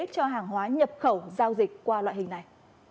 cho hàng hóa nhập khẩu giao dịch qua loại hình này